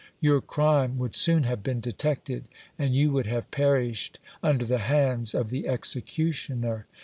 Your crime would soon have been detected, and you would have perished under the hands of the executioner.